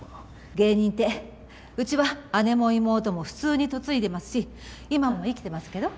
芸人ってうちは姉も妹も普通に嫁いでますし今も生きてますけど。